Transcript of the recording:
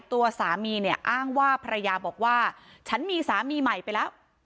ตัวสามีเนี่ยอ้างว่าภรรยาบอกว่าฉันมีสามีใหม่ไปแล้ว